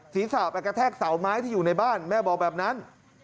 ศีรษะไปกระแทกเสาไม้ที่อยู่ในบ้านแม่บอกแบบนั้น